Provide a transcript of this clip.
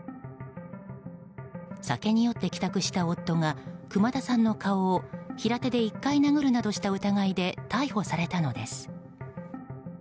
酒に酔って帰宅した夫が熊田さんの顔を平手で１回殴るなどした疑いで逮捕されたのです。